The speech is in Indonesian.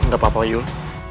gak apa apa yul